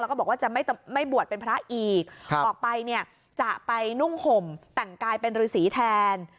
แล้วก็บอกว่าจะไม่บวชเป็นพระอีกออกไปเนี่ยจะไปนุ่งห่มแต่งกายเป็นฤษีแทน